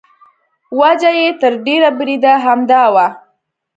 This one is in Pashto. وجه یې تر ډېره بریده همدا وه.